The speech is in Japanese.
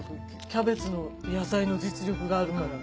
キャベツの野菜の実力があるから。